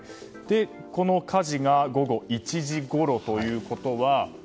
この火事が午後１時ごろということは。